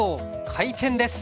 開店です。